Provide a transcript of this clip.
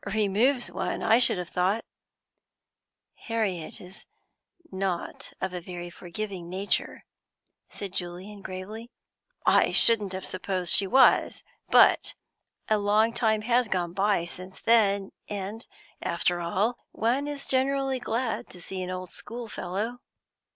"Removes one, I should have thought" "Harriet is not of a very forgiving nature," said Julian gravely. "I shouldn't have supposed she was; but a long time has gone by since then, and, after all, one is generally glad to see an old school fellow."